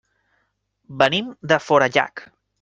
Venim de Forallac.